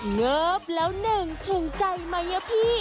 เงิบแล้วหนึ่งถึงใจไหมพี่